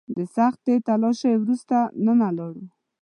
د سختې تلاشۍ وروسته دننه لاړو.